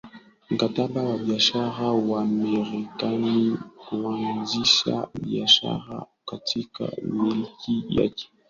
Mkataba wa Biashara na Wamerekani kuanzisha biashara katika milki yake